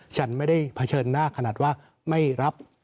ฉันไม่ได้เผชิญหน้าขนาดว่าไม่รับ